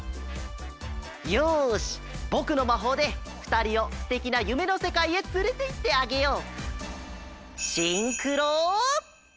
よしぼくのまほうでふたりをすてきなゆめのせかいへつれていってあげよう！